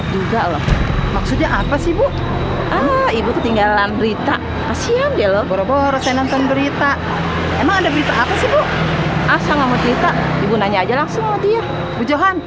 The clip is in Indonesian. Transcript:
juga loh maksudnya apa sih bu ibu ketinggalan berita kasihan dia loh borobor saya nonton berita